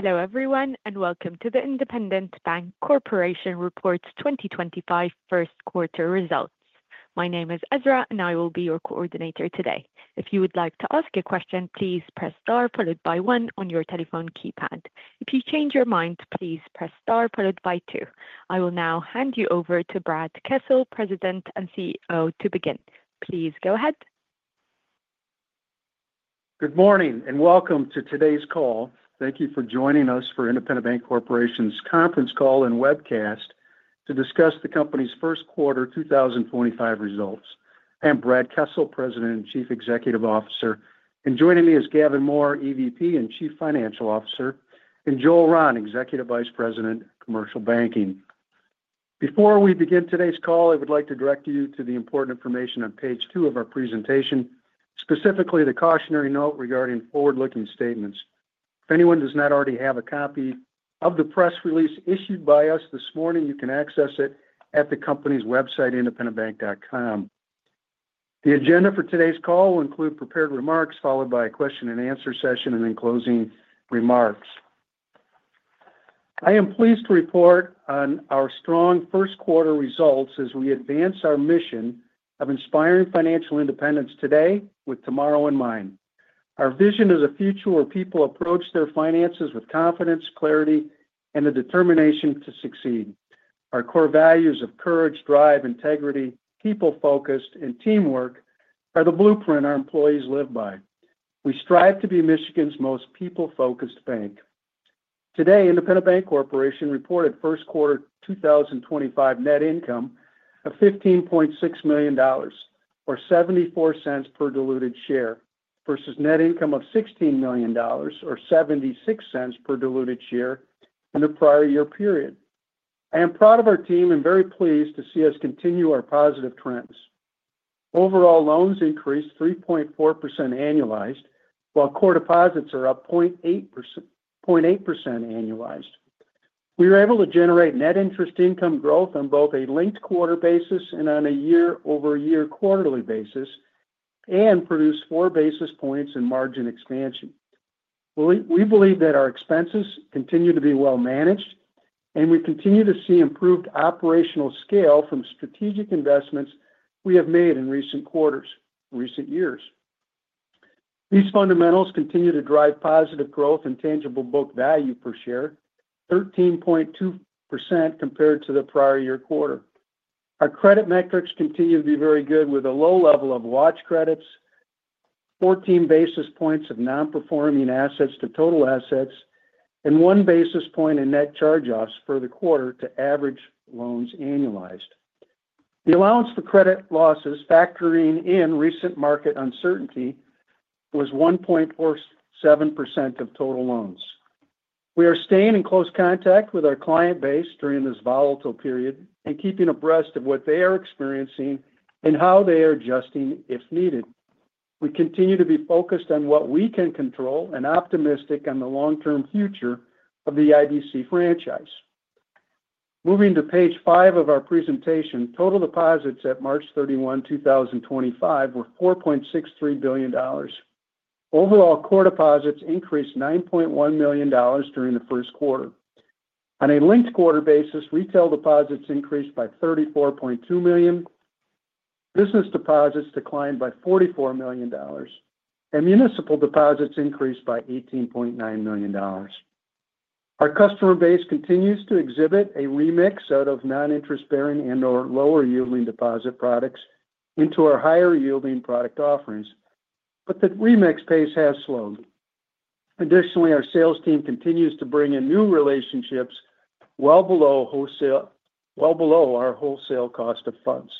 Hello everyone, and welcome to the Independent Bank Corporation Reports 2025 First Quarter Results. My name is Ezra, and I will be your coordinator today. If you would like to ask a question, please press star followed by one on your telephone keypad. If you change your mind, please press star followed by two. I will now hand you over to Brad Kessel, President and CEO, to begin. Please go ahead. Good morning and welcome to today's call. Thank you for joining us for Independent Bank Corporation's Conference Call and webcast to discuss the company's First Quarter 2025 results. I am Brad Kessel, President and Chief Executive Officer, and joining me is Gavin Mohr, EVP and Chief Financial Officer, and Joel Rahn, Executive Vice President, Commercial Banking. Before we begin today's call, I would like to direct you to the important information on page two of our presentation, specifically the cautionary note regarding forward-looking statements. If anyone does not already have a copy of the press release issued by us this morning, you can access it at the company's website, independentbank.com. The agenda for today's call will include prepared remarks followed by a question and answer session and then closing remarks. I am pleased to report on our strong first quarter results as we advance our mission of inspiring financial independence today with tomorrow in mind. Our vision is a future where people approach their finances with confidence, clarity, and a determination to succeed. Our core values of courage, drive, integrity, people-focused, and teamwork are the blueprint our employees live by. We strive to be Michigan's most people-focused bank. Today, Independent Bank Corporation reported first quarter 2025 net income of $15.6 million, or $0.74 per diluted share, versus net income of $16 million, or $0.76 per diluted share in the prior year period. I am proud of our team and very pleased to see us continue our positive trends. Overall, loans increased 3.4% annualized, while core deposits are up 0.8% annualized. We were able to generate net interest income growth on both a linked quarter basis and on a year-over-year quarterly basis and produce four basis points in margin expansion. We believe that our expenses continue to be well managed, and we continue to see improved operational scale from strategic investments we have made in recent quarters, recent years. These fundamentals continue to drive positive growth and tangible book value per share, 13.2% compared to the prior year quarter. Our credit metrics continue to be very good, with a low level of watch credits, 14 basis points of non-performing assets to total assets, and one basis point in net charge-offs for the quarter to average loans annualized. The allowance for credit losses, factoring in recent market uncertainty, was 1.47% of total loans. We are staying in close contact with our client base during this volatile period and keeping abreast of what they are experiencing and how they are adjusting if needed. We continue to be focused on what we can control and optimistic on the long-term future of the IBC franchise. Moving to page five of our presentation, total deposits at March 31, 2025, were $4.63 billion. Overall, core deposits increased $9.1 million during the first quarter. On a linked quarter basis, retail deposits increased by $34.2 million, business deposits declined by $44 million, and municipal deposits increased by $18.9 million. Our customer base continues to exhibit a remix out of non-interest-bearing and/or lower-yielding deposit products into our higher-yielding product offerings, but the remix pace has slowed. Additionally, our sales team continues to bring in new relationships well below our wholesale cost of funds.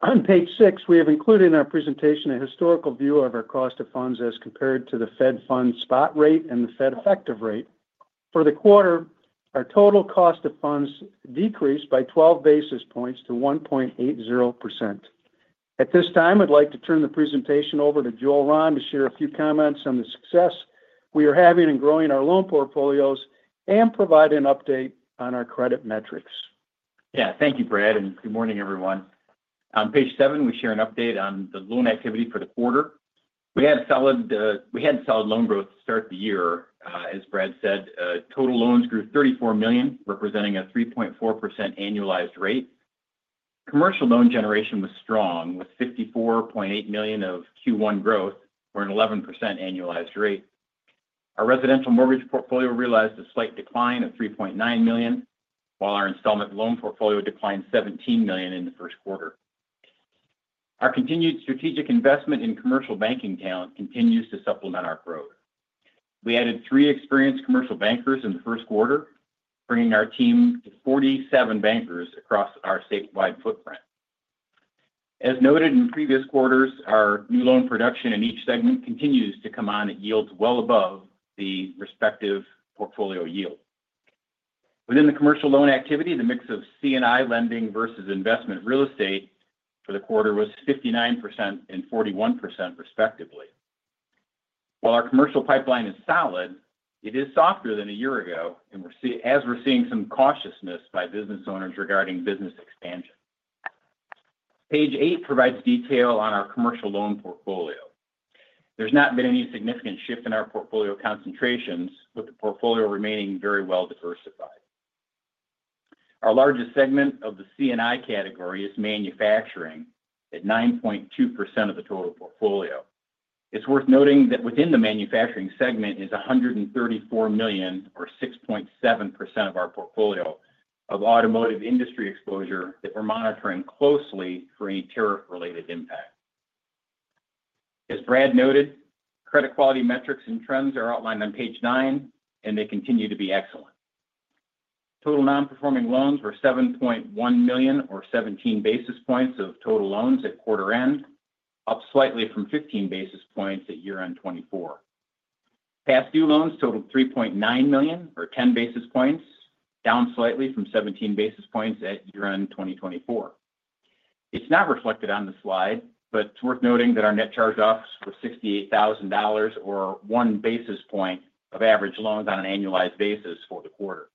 On page six, we have included in our presentation a historical view of our cost of funds as compared to the Fed funds spot rate and the Fed effective rate. For the quarter, our total cost of funds decreased by 12 basis points to 1.80%. At this time, I'd like to turn the presentation over to Joel Rahn to share a few comments on the success we are having in growing our loan portfolios and provide an update on our credit metrics. Yeah, thank you, Brad, and good morning, everyone. On page seven, we share an update on the loan activity for the quarter. We had solid loan growth to start the year. As Brad said, total loans grew $34 million, representing a 3.4% annualized rate. Commercial loan generation was strong, with $54.8 million of Q1 growth or an 11% annualized rate. Our residential mortgage portfolio realized a slight decline of $3.9 million, while our installment loan portfolio declined $17 million in the first quarter. Our continued strategic investment in commercial banking talent continues to supplement our growth. We added three experienced commercial bankers in the first quarter, bringing our team to 47 bankers across our statewide footprint. As noted in previous quarters, our new loan production in each segment continues to come on at yields well above the respective portfolio yield. Within the commercial loan activity, the mix of C&I lending versus investment real estate for the quarter was 59% and 41%, respectively. While our commercial pipeline is solid, it is softer than a year ago, and as we're seeing some cautiousness by business owners regarding business expansion. Page eight provides detail on our commercial loan portfolio. There's not been any significant shift in our portfolio concentrations, with the portfolio remaining very well diversified. Our largest segment of the C&I category is manufacturing at 9.2% of the total portfolio. It's worth noting that within the manufacturing segment is $134 million, or 6.7% of our portfolio, of automotive industry exposure that we're monitoring closely for any tariff-related impact. As Brad noted, credit quality metrics and trends are outlined on page nine, and they continue to be excellent. Total non-performing loans were $7.1 million, or 17 basis points of total loans at quarter end, up slightly from 15 basis points at year-end 2024. Past due loans totaled $3.9 million, or 10 basis points, down slightly from 17 basis points at year-end 2024. It's not reflected on the slide, but it's worth noting that our net charge-offs were $68,000, or one basis point of average loans on an annualized basis for the quarter.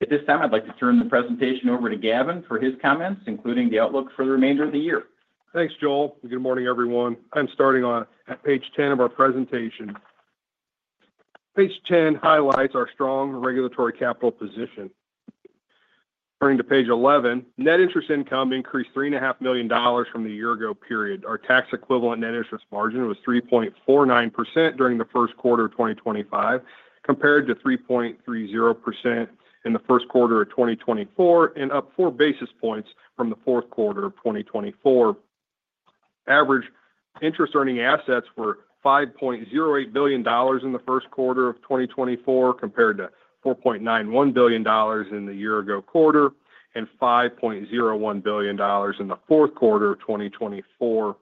At this time, I'd like to turn the presentation over to Gavin for his comments, including the outlook for the remainder of the year. Thanks, Joel. Good morning, everyone. I'm starting on page 10 of our presentation. Page 10 highlights our strong regulatory capital position. Turning to page 11, net interest income increased $3.5 million from the year-ago period. Our tax-equivalent net interest margin was 3.49% during the first quarter of 2025, compared to 3.30% in the first quarter of 2024, and up four basis points from the fourth quarter of 2024. Average interest-earning assets were $5.08 billion in the first quarter of 2024, compared to $4.91 billion in the year-ago quarter and $5.01 billion in the fourth quarter of 2024.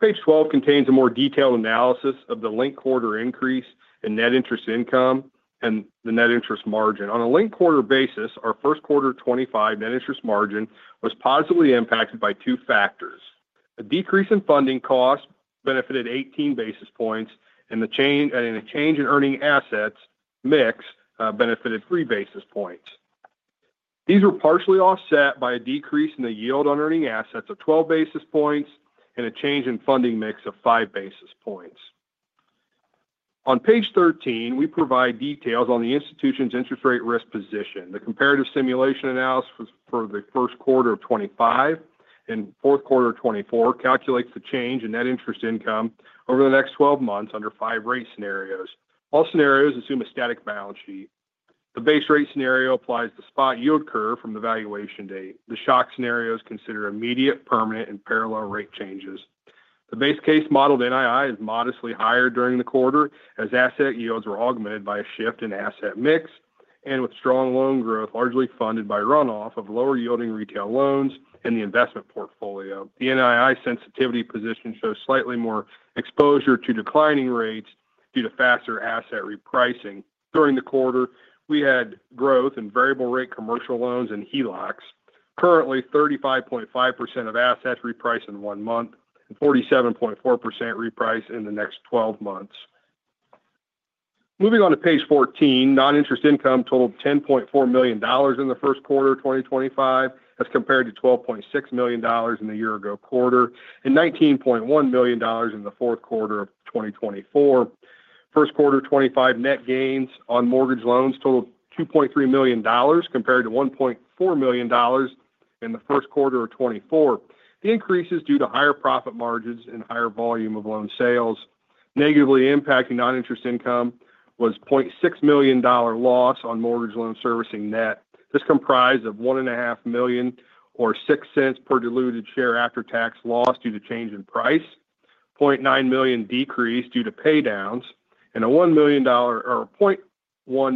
Page 12 contains a more detailed analysis of the linked quarter increase in net interest income and the net interest margin. On a linked quarter basis, our first quarter 2025 net interest margin was positively impacted by two factors. A decrease in funding costs benefited 18 basis points, and a change in earning assets mix benefited three basis points. These were partially offset by a decrease in the yield on earning assets of 12 basis points and a change in funding mix of five basis points. On page 13, we provide details on the institution's interest rate risk position. The comparative simulation analysis for the first quarter of 2025 and fourth quarter of 2024 calculates the change in net interest income over the next 12 months under five rate scenarios. All scenarios assume a static balance sheet. The base rate scenario applies the spot yield curve from the valuation date. The shock scenarios consider immediate, permanent, and parallel rate changes. The base case modeled NII is modestly higher during the quarter as asset yields were augmented by a shift in asset mix and with strong loan growth largely funded by runoff of lower-yielding retail loans in the investment portfolio. The NII sensitivity position shows slightly more exposure to declining rates due to faster asset repricing. During the quarter, we had growth in variable-rate commercial loans and HELOCs. Currently, 35.5% of assets repriced in one month and 47.4% repriced in the next 12 months. Moving on to page 14, non-interest income totaled $10.4 million in the first quarter of 2025 as compared to $12.6 million in the year-ago quarter and $19.1 million in the fourth quarter of 2024. First quarter 2025 net gains on mortgage loans totaled $2.3 million compared to $1.4 million in the first quarter of 2024. The increase is due to higher profit margins and higher volume of loan sales. Negatively impacting non-interest income was a $0.6 million loss on mortgage loan servicing net. This comprised of a $1.5 million, or 6 cents per diluted share after-tax loss due to change in price, a $0.9 million decrease due to paydowns, and a $1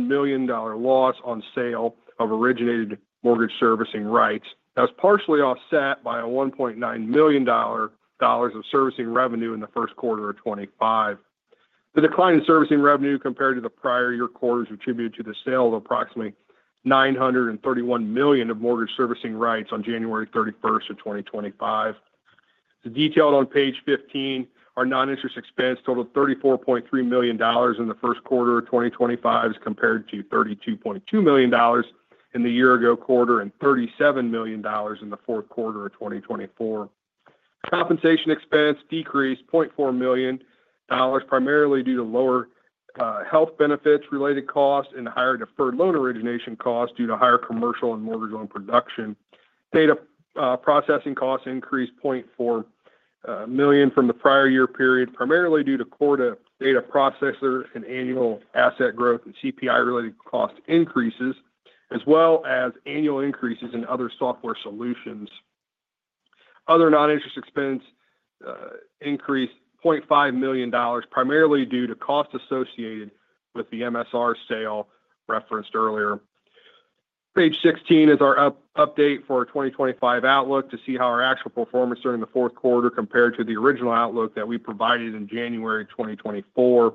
million loss on sale of originated mortgage servicing rights. That was partially offset by $1.9 million of servicing revenue in the first quarter of 2025. The decline in servicing revenue compared to the prior year quarter is attributed to the sale of approximately $931 million of mortgage servicing rights on January 31 of 2025. As detailed on page 15, our non-interest expense totaled $34.3 million in the first quarter of 2025 as compared to $32.2 million in the year-ago quarter and $37 million in the fourth quarter of 2024. Compensation expense decreased $0.4 million, primarily due to lower health benefits-related costs and higher deferred loan origination costs due to higher commercial and mortgage loan production. Data processing costs increased $0.4 million from the prior year period, primarily due to core data processor and annual asset growth and CPI-related cost increases, as well as annual increases in other software solutions. Other non-interest expense increased $0.5 million, primarily due to cost associated with the MSR sale referenced earlier. Page 16 is our update for our 2025 outlook to see how our actual performance during the fourth quarter compared to the original outlook that we provided in January 2024.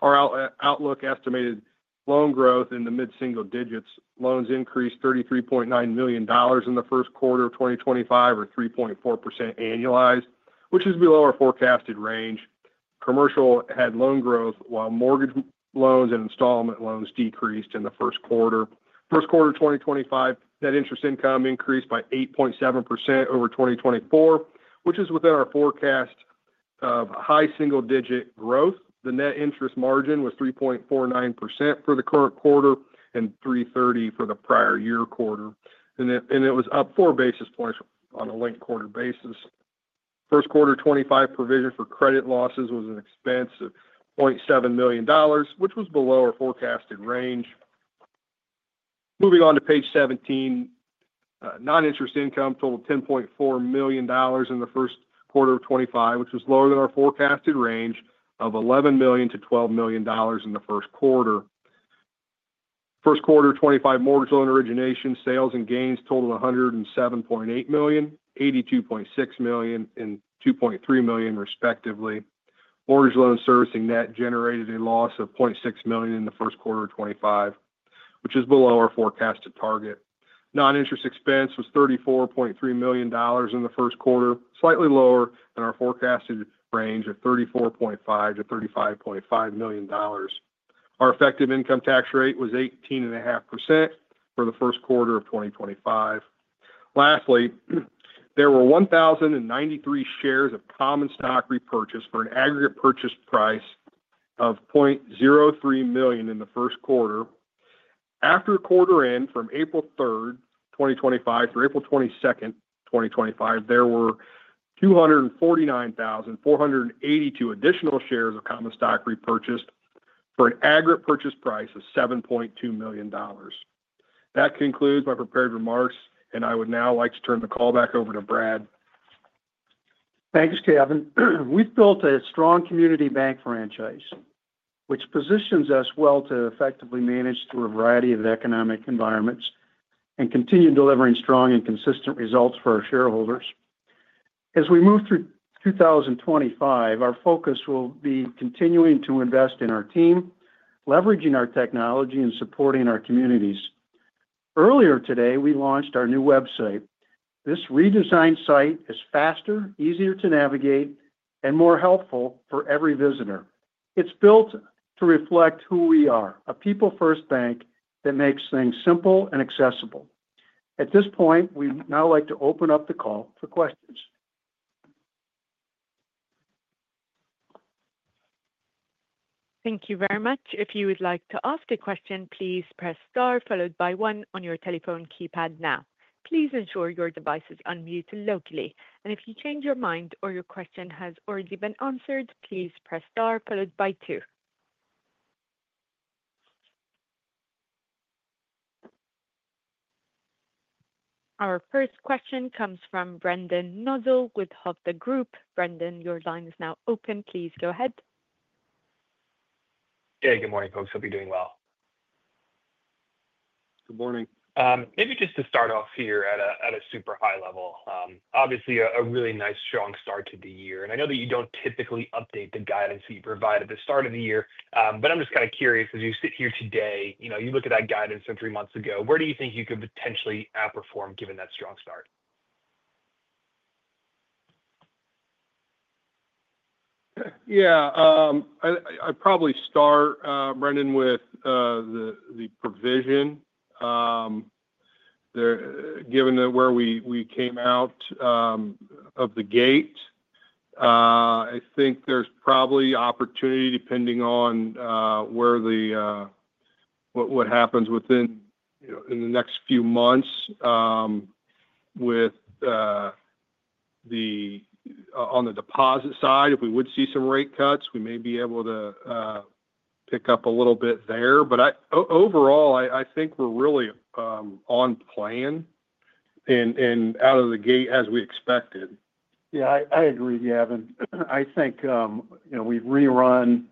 Our outlook estimated loan growth in the mid-single digits. Loans increased $33.9 million in the first quarter of 2025, or 3.4% annualized, which is below our forecasted range. Commercial had loan growth, while mortgage loans and installment loans decreased in the first quarter. First quarter 2025, net interest income increased by 8.7% over 2024, which is within our forecast of high single-digit growth. The net interest margin was 3.49% for the current quarter and 3.30% for the prior year quarter. It was up four basis points on a linked quarter basis. First quarter 2025 provision for credit losses was an expense of $0.7 million, which was below our forecasted range. Moving on to page 17, non-interest income totaled $10.4 million in the first quarter of 2025, which was lower than our forecasted range of $11 million-$12 million in the first quarter. First quarter 2025 mortgage loan origination sales and gains totaled $107.8 million, $82.6 million, and $2.3 million, respectively. Mortgage loan servicing net generated a loss of $0.6 million in the first quarter of 2025, which is below our forecasted target. Non-interest expense was $34.3 million in the first quarter, slightly lower than our forecasted range of $34.5-$35.5 million. Our effective income tax rate was 18.5% for the first quarter of 2025. Lastly, there were 1,093 shares of common stock repurchased for an aggregate purchase price of $0.03 million in the first quarter. After quarter end, from April 3, 2025, through April 22, 2025, there were 249,482 additional shares of common stock repurchased for an aggregate purchase price of $7.2 million. That concludes my prepared remarks, and I would now like to turn the call back over to Brad. Thanks, Gavin. We've built a strong community bank franchise, which positions us well to effectively manage through a variety of economic environments and continue delivering strong and consistent results for our shareholders. As we move through 2025, our focus will be continuing to invest in our team, leveraging our technology, and supporting our communities. Earlier today, we launched our new website. This redesigned site is faster, easier to navigate, and more helpful for every visitor. It's built to reflect who we are, a people-first bank that makes things simple and accessible. At this point, we'd now like to open up the call for questions. Thank you very much. If you would like to ask a question, please press star followed by one on your telephone keypad now. Please ensure your device is unmuted locally. If you change your mind or your question has already been answered, please press star followed by two. Our first question comes from Brendan Nosal with Hovde Group. Brendan, your line is now open. Please go ahead. Hey, good morning, folks. Hope you're doing well. Good morning. Maybe just to start off here at a super high level, obviously a really nice strong start to the year. I know that you do not typically update the guidance that you provide at the start of the year, but I am just kind of curious, as you sit here today, you look at that guidance from three months ago, where do you think you could potentially outperform given that strong start? Yeah. I'd probably start, Brendan, with the provision. Given where we came out of the gate, I think there's probably opportunity, depending on what happens within the next few months on the deposit side. If we would see some rate cuts, we may be able to pick up a little bit there. Overall, I think we're really on plan and out of the gate as we expected. Yeah, I agree, Gavin. I think we've rerun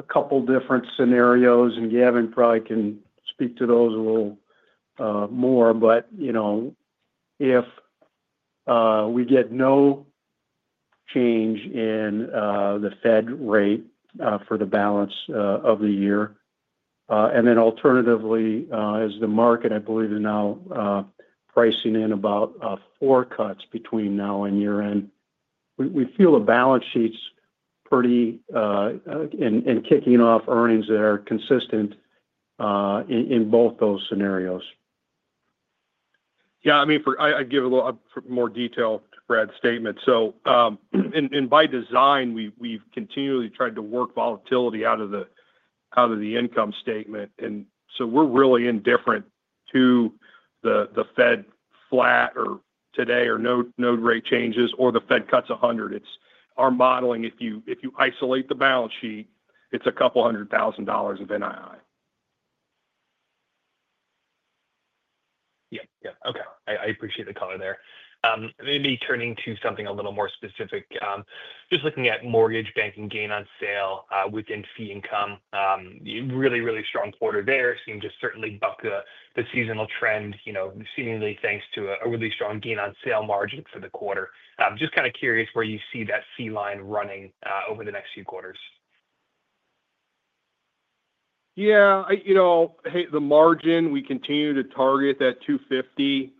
a couple of different scenarios, and Gavin probably can speak to those a little more. If we get no change in the Fed rate for the balance of the year, and then alternatively, as the market, I believe, is now pricing in about four cuts between now and year-end, we feel the balance sheet's pretty and kicking off earnings that are consistent in both those scenarios. Yeah. I mean, I'd give a little more detail to Brad's statement. By design, we've continually tried to work volatility out of the income statement. We're really indifferent to the Fed flat or today or no rate changes or the Fed cuts 100. It's our modeling. If you isolate the balance sheet, it's a couple of hundred thousand dollars of NII. Yeah. Yeah. Okay. I appreciate the color there. Maybe turning to something a little more specific, just looking at mortgage banking gain on sale within fee income, really, really strong quarter there. Seemed to certainly buck the seasonal trend, seemingly thanks to a really strong gain on sale margin for the quarter. Just kind of curious where you see that fee line running over the next few quarters. Yeah. The margin, we continue to target that 250.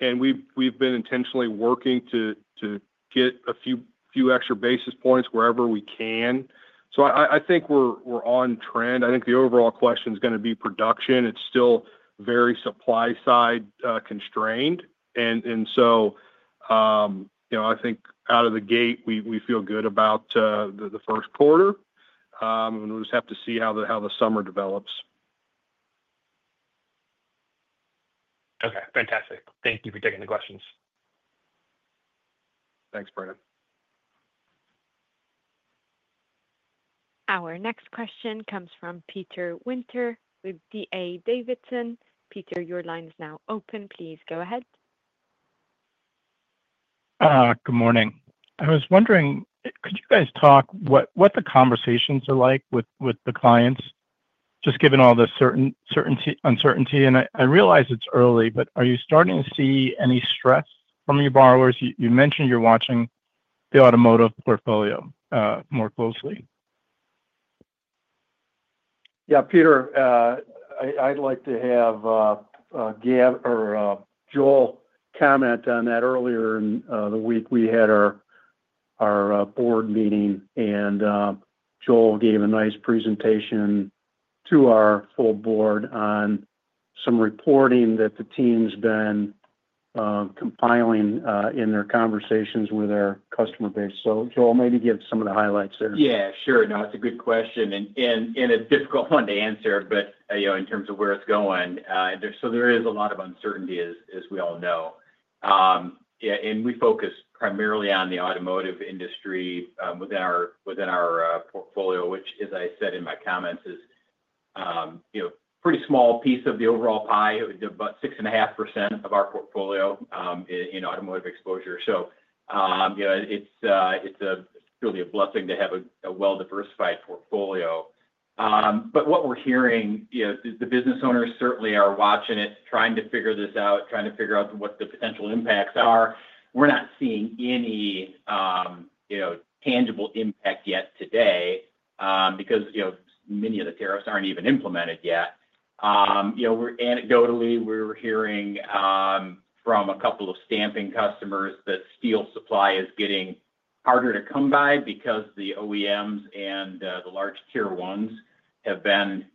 And we have been intentionally working to get a few extra basis points wherever we can. I think we are on trend. I think the overall question is going to be production. It is still very supply-side constrained. I think out of the gate, we feel good about the first quarter. We will just have to see how the summer develops. Okay. Fantastic. Thank you for taking the questions. Thanks, Brendan. Our next question comes from Peter Winter with D.A. Davidson. Peter, your line is now open. Please go ahead. Good morning. I was wondering, could you guys talk what the conversations are like with the clients, just given all the uncertainty? I realize it's early, but are you starting to see any stress from your borrowers? You mentioned you're watching the automotive portfolio more closely. Yeah. Peter, I'd like to have Joel comment on that. Earlier in the week, we had our board meeting, and Joel gave a nice presentation to our full board on some reporting that the team's been compiling in their conversations with our customer base. Joel, maybe give some of the highlights there. Yeah. Sure. No, it's a good question and a difficult one to answer, but in terms of where it's going. There is a lot of uncertainty, as we all know. We focus primarily on the automotive industry within our portfolio, which, as I said in my comments, is a pretty small piece of the overall pie, about 6.5% of our portfolio in automotive exposure. It's really a blessing to have a well-diversified portfolio. What we're hearing, the business owners certainly are watching it, trying to figure this out, trying to figure out what the potential impacts are. We're not seeing any tangible impact yet today because many of the tariffs aren't even implemented yet. Anecdotally, we were hearing from a couple of stamping customers that steel supply is getting harder to come by because the OEMs and the large Tier 1s have been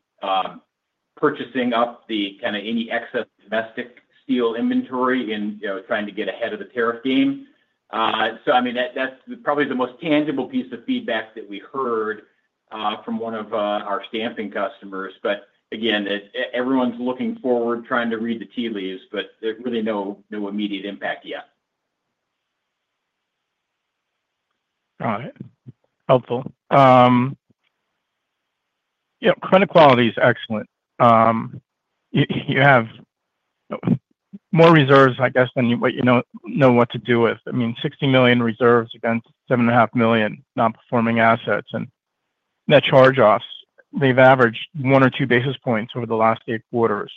purchasing up the kind of any excess domestic steel inventory and trying to get ahead of the tariff game. I mean, that's probably the most tangible piece of feedback that we heard from one of our stamping customers. Again, everyone's looking forward, trying to read the tea leaves, but there's really no immediate impact yet. Got it. Helpful. Yeah. Credit quality is excellent. You have more reserves, I guess, than you know what to do with. I mean, $60 million reserves against $7.5 million non-performing assets and net charge-offs. They have averaged one or two basis points over the last eight quarters.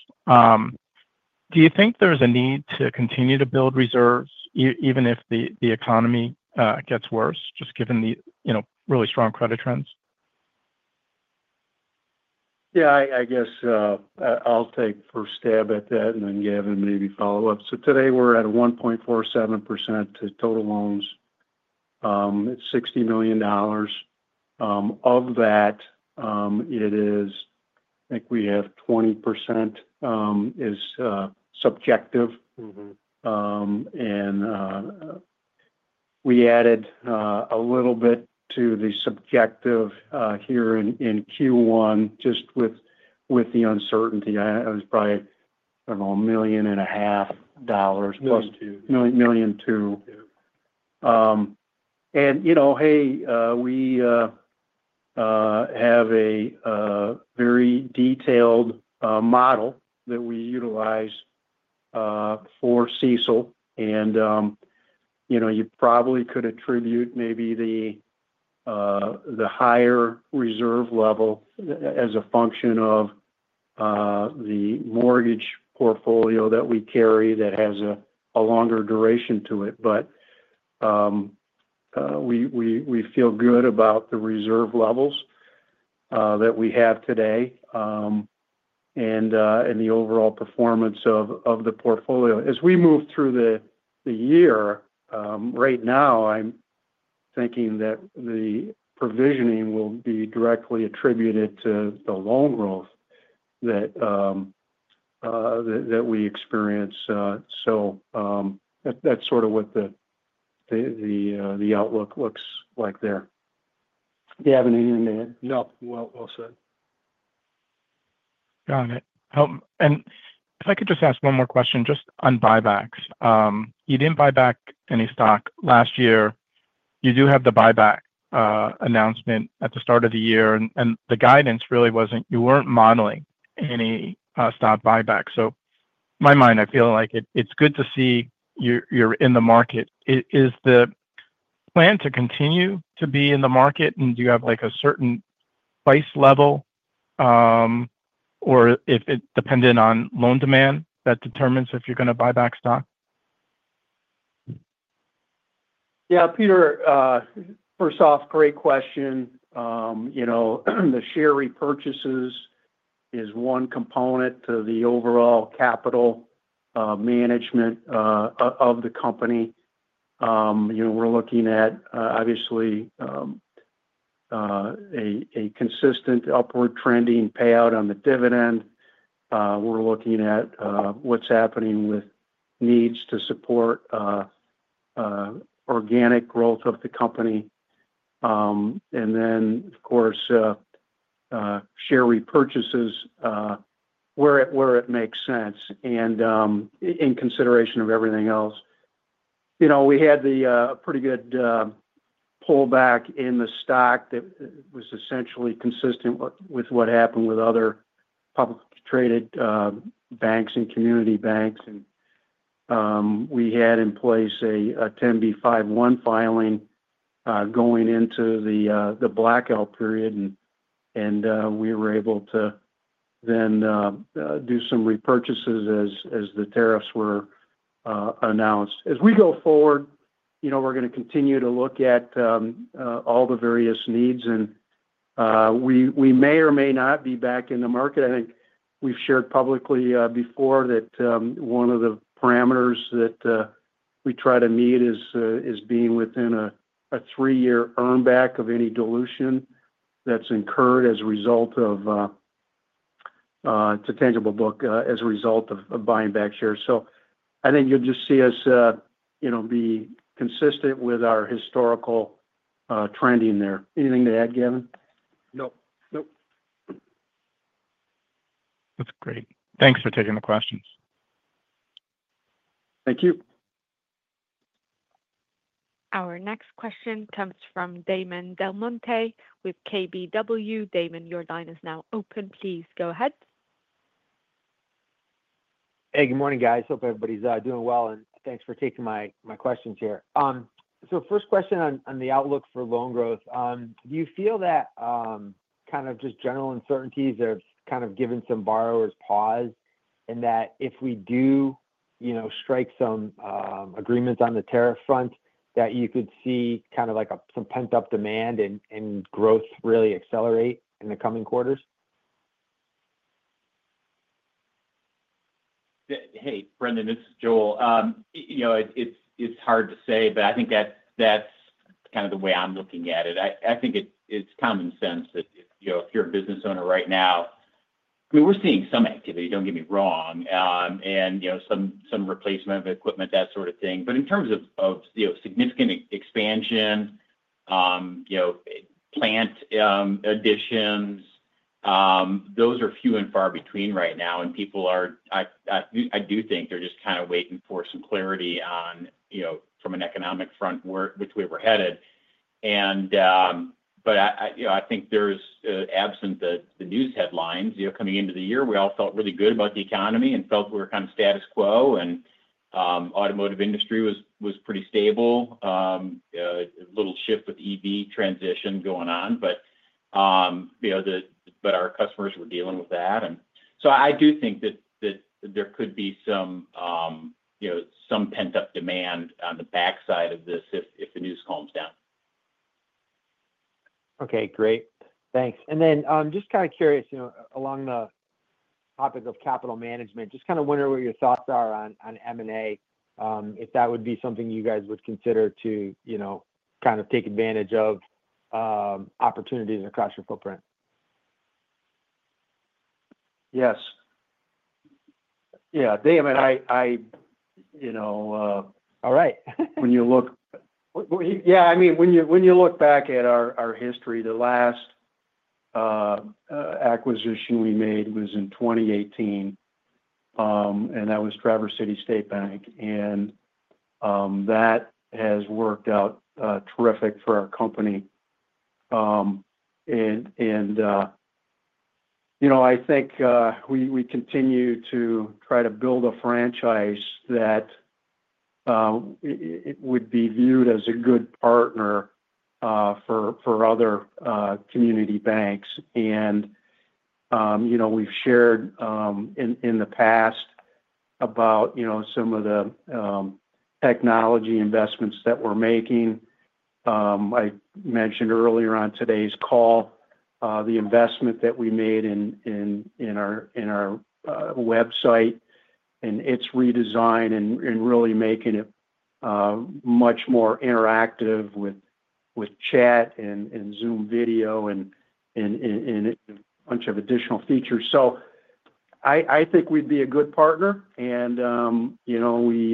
Do you think there is a need to continue to build reserves even if the economy gets worse, just given the really strong credit trends? Yeah. I guess I'll take first stab at that and then Gavin maybe follow up. Today, we're at 1.47% total loans. It's $60 million. Of that, I think we have 20% is subjective. We added a little bit to the subjective here in Q1 just with the uncertainty. It was probably, I don't know, $1,500,000 plus. Million two. Million two. We have a very detailed model that we utilize for CECL. You probably could attribute maybe the higher reserve level as a function of the mortgage portfolio that we carry that has a longer duration to it. We feel good about the reserve levels that we have today and the overall performance of the portfolio. As we move through the year, right now, I'm thinking that the provisioning will be directly attributed to the loan growth that we experience. That is sort of what the outlook looks like there. Gavin, anything to add? No. Well said. Got it. If I could just ask one more question just on buybacks. You did not buy back any stock last year. You do have the buyback announcement at the start of the year. The guidance really was not you were not modeling any stock buyback. In my mind, I feel like it is good to see you are in the market. Is the plan to continue to be in the market? Do you have a certain price level or is it dependent on loan demand that determines if you are going to buy back stock? Yeah. Peter, first off, great question. The share repurchases is one component to the overall capital management of the company. We're looking at, obviously, a consistent upward trending payout on the dividend. We're looking at what's happening with needs to support organic growth of the company. Of course, share repurchases where it makes sense and in consideration of everything else. We had a pretty good pullback in the stock that was essentially consistent with what happened with other publicly traded banks and community banks. We had in place a 10b5-1 filing going into the blackout period. We were able to then do some repurchases as the tariffs were announced. As we go forward, we're going to continue to look at all the various needs. We may or may not be back in the market. I think we've shared publicly before that one of the parameters that we try to meet is being within a three-year earnback of any dilution that's incurred as a result of it's a tangible book as a result of buying back shares. I think you'll just see us be consistent with our historical trending there. Anything to add, Gavin? Nope. Nope. That's great. Thanks for taking the questions. Thank you. Our next question comes from Damon Del Monte with KBW. Damon, your line is now open. Please go ahead. Hey, good morning, guys. Hope everybody's doing well. Thanks for taking my questions here. First question on the outlook for loan growth. Do you feel that kind of just general uncertainties have kind of given some borrowers pause and that if we do strike some agreements on the tariff front, you could see kind of like some pent-up demand and growth really accelerate in the coming quarters? Hey, Brendan, this is Joel. It's hard to say, but I think that's kind of the way I'm looking at it. I think it's common sense that if you're a business owner right now, I mean, we're seeing some activity, don't get me wrong, and some replacement of equipment, that sort of thing. In terms of significant expansion, plant additions, those are few and far between right now. People are, I do think they're just kind of waiting for some clarity from an economic front, which way we're headed. I think there's absent the news headlines. Coming into the year, we all felt really good about the economy and felt we were kind of status quo. The automotive industry was pretty stable. A little shift with EV transition going on. Our customers were dealing with that. I do think that there could be some pent-up demand on the backside of this if the news calms down. Okay. Great. Thanks. Just kind of curious, along the topic of capital management, just kind of wondering what your thoughts are on M&A, if that would be something you guys would consider to kind of take advantage of opportunities across your footprint. Yes. Yeah. Damon, I. All right. When you look. Yeah. I mean, when you look back at our history, the last acquisition we made was in 2018. And that was Traverse City State Bank. And that has worked out terrific for our company. I think we continue to try to build a franchise that would be viewed as a good partner for other community banks. We have shared in the past about some of the technology investments that we are making. I mentioned earlier on today's call the investment that we made in our website, and its redesign, and really making it much more interactive with chat and Zoom video and a bunch of additional features. I think we would be a good partner. We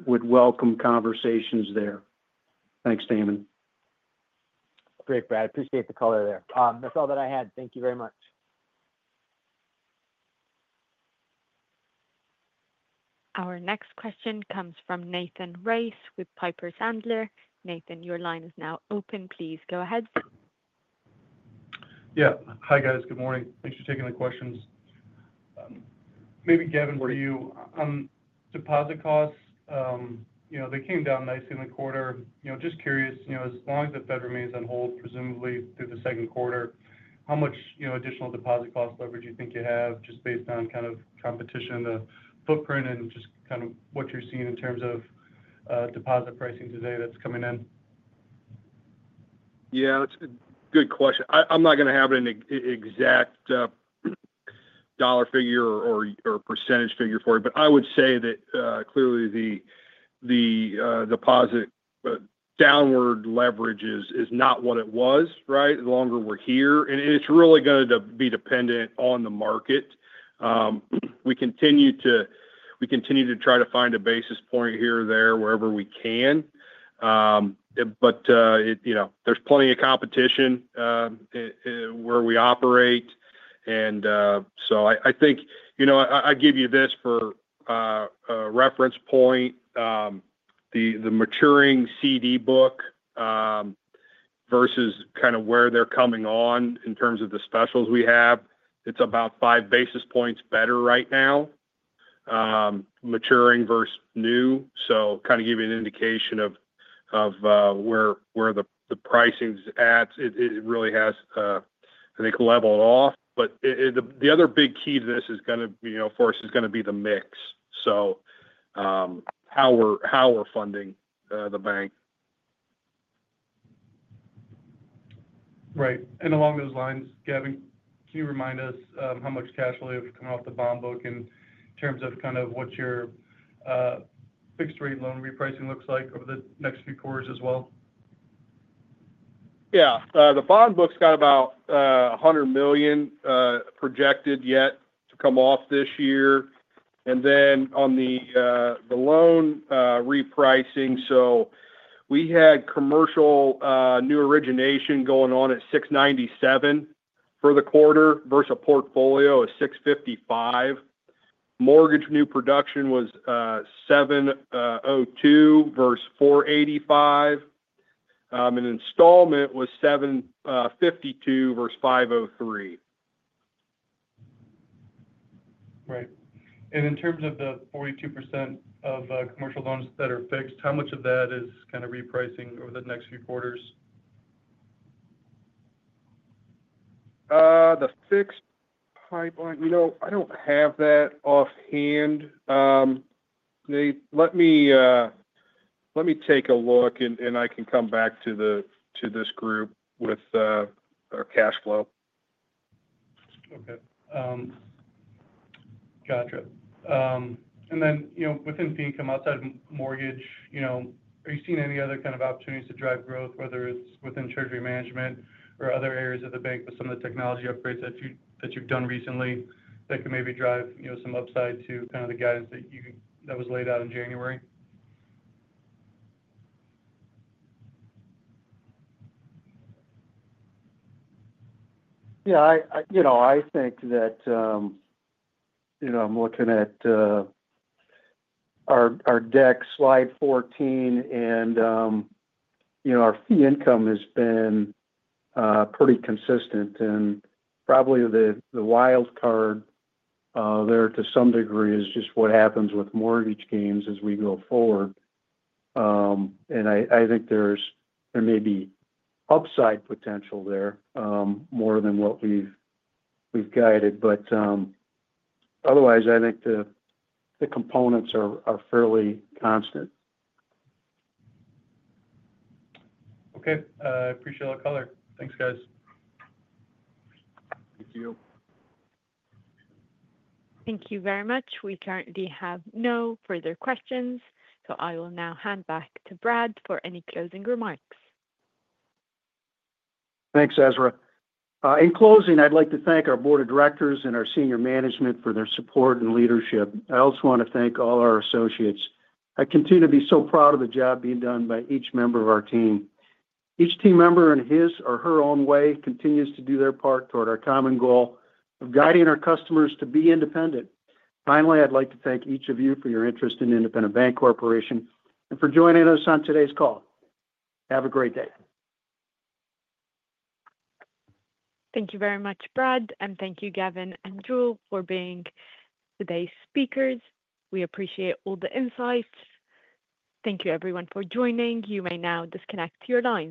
would welcome conversations there. Thanks, Damon. Great, Brad. Appreciate the color there. That's all that I had. Thank you very much. Our next question comes from Nathan Rice with Piper Sandler. Nathan, your line is now open. Please go ahead. Yeah. Hi, guys. Good morning. Thanks for taking the questions. Maybe Gavin, for you, deposit costs, they came down nicely in the quarter. Just curious, as long as the Fed remains on hold, presumably through the second quarter, how much additional deposit cost leverage do you think you have, just based on kind of competition in the footprint and just kind of what you're seeing in terms of deposit pricing today that's coming in? Yeah. It's a good question. I'm not going to have an exact dollar figure or percentage figure for you. I would say that clearly the deposit downward leverage is not what it was, right, the longer we're here. It's really going to be dependent on the market. We continue to try to find a basis point here or there wherever we can. There's plenty of competition where we operate. I think I give you this for a reference point. The maturing CD book versus kind of where they're coming on in terms of the specials we have, it's about five basis points better right now, maturing versus new. Kind of give you an indication of where the pricing's at. It really has, I think, leveled off. The other big key to this is going to, of course, is going to be the mix. How we're funding the bank. Right. Along those lines, Gavin, can you remind us how much cash flow you have come out of the bond book in terms of kind of what your fixed-rate loan repricing looks like over the next few quarters as well? Yeah. The bond book's got about $100 million projected yet to come off this year. On the loan repricing, we had commercial new origination going on at 6.97% for the quarter versus a portfolio of 6.55%. Mortgage new production was 7.02% versus 4.85%. Installment was 7.52% versus 5.03%. Right. In terms of the 42% of commercial loans that are fixed, how much of that is kind of repricing over the next few quarters? The fixed pipeline, I don't have that offhand. Let me take a look, and I can come back to this group with our cash flow. Okay. Gotcha. And then within the income outside of mortgage, are you seeing any other kind of opportunities to drive growth, whether it's within treasury management or other areas of the bank with some of the technology upgrades that you've done recently that could maybe drive some upside to kind of the guidance that was laid out in January? Yeah. I think that I'm looking at our deck, slide 14. Our fee income has been pretty consistent. Probably the wild card there to some degree is just what happens with mortgage gains as we go forward. I think there may be upside potential there more than what we've guided. Otherwise, I think the components are fairly constant. Okay. I appreciate all the color. Thanks, guys. Thank you. Thank you very much. We currently have no further questions. I will now hand back to Brad for any closing remarks. Thanks, Ezra. In closing, I'd like to thank our board of directors and our senior management for their support and leadership. I also want to thank all our associates. I continue to be so proud of the job being done by each member of our team. Each team member, in his or her own way, continues to do their part toward our common goal of guiding our customers to be independent. Finally, I'd like to thank each of you for your interest in Independent Bank Corporation and for joining us on today's call. Have a great day. Thank you very much, Brad. Thank you, Gavin and Joel, for being today's speakers. We appreciate all the insights. Thank you, everyone, for joining. You may now disconnect your line.